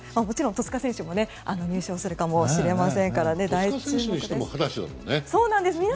もちろん戸塚選手も優勝するかもしれませんから大注目です。